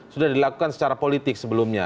sudah dilakukan secara politik sebelumnya